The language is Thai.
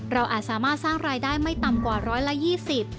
เราอาจสามารถสร้างรายได้ไม่ต่ำกว่า๑๒๐บาท